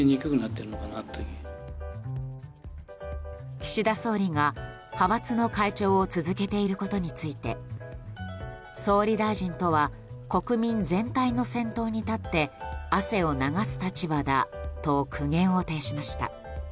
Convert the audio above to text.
岸田総理が派閥の会長を続けていることについて総理大臣とは国民全体の先頭に立って汗を流す立場だと苦言を呈しました。